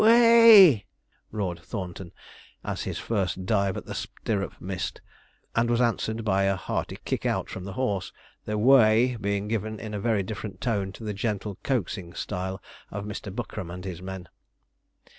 'Whoay!' roared Thornton, as his first dive at the stirrup missed, and was answered by a hearty kick out from the horse, the 'whoay' being given in a very different tone to the gentle, coaxing style of Mr. Buckram and his men.